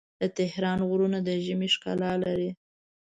د تهران غرونه د ژمي ښکلا لري.